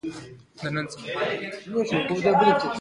د پښتنو سیمې په سویل او ختیځ کې دي